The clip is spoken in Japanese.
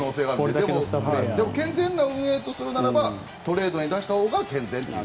健全な運営とするならばトレードに出したほうが健全という。